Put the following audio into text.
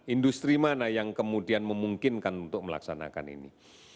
industri mana yang kemudian memungkinkan untuk melaksanakan ini